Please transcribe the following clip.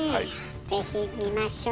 ぜひ見ましょう。